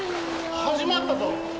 始まったぞ。